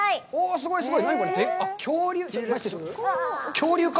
すごいすごい。